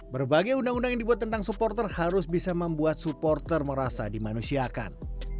berbagai undang undang yang dibuat tentang supporter harus bisa membuat supporter merasa dimanusiakan